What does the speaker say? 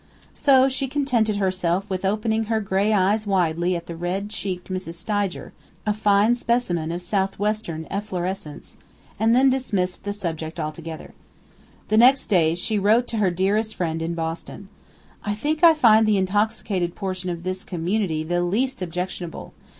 So she contented herself with opening her gray eyes widely at the red cheeked Mrs. Stidger a fine specimen of Southwestern efflorescence and then dismissed the subject altogether. The next day she wrote to her dearest friend, in Boston: "I think I find the intoxicated portion of this community the least objectionable.